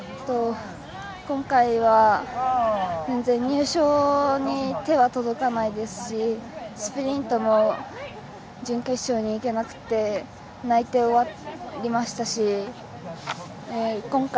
今回は全然、入賞に手は届かないですしスプリントも準決勝に行けなくて泣いて終わりましたし。